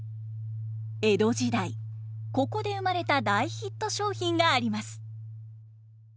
江戸時代ここで生まれた大ヒット商品があります。